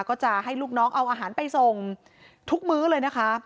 ก็จะให้ลูกน้องเอาอาหารไปส่งทุกมื้อเลยนะคะ